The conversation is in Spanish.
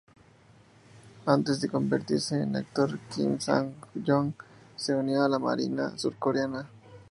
Antes de convertirse en actor, Kim Sang Joong se unió a la Marina surcoreana.